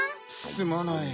すまない。